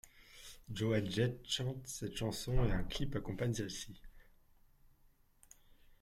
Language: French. Joan Jett chante cette chanson et un clip accompagne celle-ci.